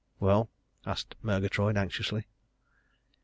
"Well?" asked Murgatroyd anxiously.